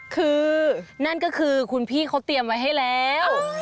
คือนั่นก็คือคุณพี่เขาเตรียมไว้ให้แล้ว